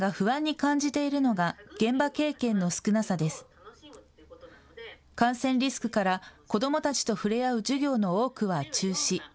感染リスクから、子どもたちと触れ合う授業の多くは中止。